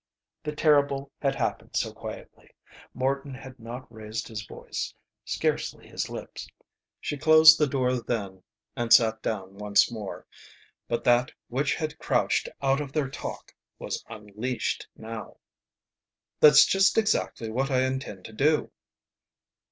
The terrible had happened so quietly. Morton had not raised his voice; scarcely his lips. She closed the door then and sat down once more, but that which had crouched out of their talk was unleashed now. "That's just exactly what I intend to do."